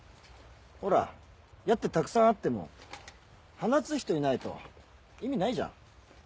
ほら矢ってたくさんあっても放つ人いないと意味ないじゃん。